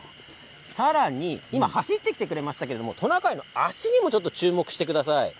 さらに今走ってきてくれましたけどトナカイの足にも注目してください。